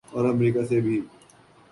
اورامریکہ سے بھی۔